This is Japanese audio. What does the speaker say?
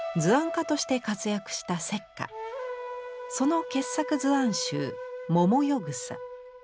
その傑作図案集「百々世草」。